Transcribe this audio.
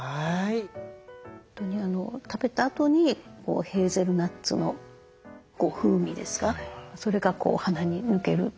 本当に食べたあとにヘーゼルナッツの風味ですかそれが鼻に抜ける。